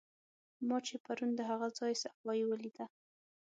ما چې پرون د هغه ځای صفایي ولیده.